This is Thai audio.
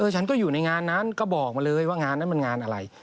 ฉันก็อยู่ในงานนั้นก็บอกมาเลยว่างานนั้นมันงานอะไร